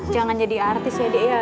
jangan jadi artis ya dek